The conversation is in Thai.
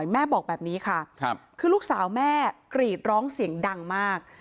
แม่บอกแบบนี้ค่ะคือลูกสาวแม่กรีดร้องเสียงดังมาก